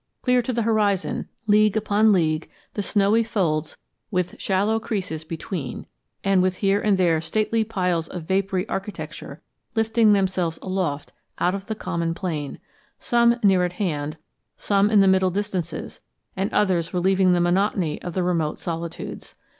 Clear to the horizon, league on league, the snowy folds, with shallow creases between, and with here and there stately piles of vapory architecture lifting themselves aloft out of the common plain some near at hand, some in the middle distances, and others relieving the monotony of the remote solitudes.